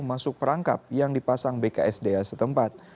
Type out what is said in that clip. masuk perangkap yang dipasang bksda setempat